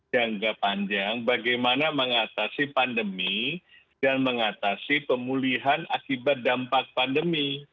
jangka panjang bagaimana mengatasi pandemi dan mengatasi pemulihan akibat dampak pandemi